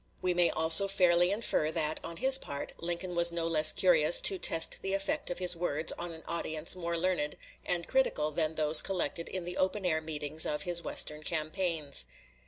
We may also fairly infer that, on his part, Lincoln was no less curious to test the effect of his words on an audience more learned and critical than those collected in the open air meetings of his Western campaigns.